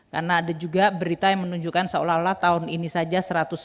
karena ada juga berita yang menunjukkan seolah olah tahun ini saja satu ratus sembilan puluh tiga